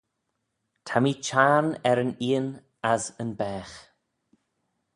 Ta mee Çhiarn er yn eeyn as yn baagh.